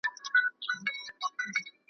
د غریب پر مرګ څوک نه ژاړي .